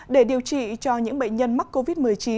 để điều trị cho những bệnh nhân mắc covid một mươi chín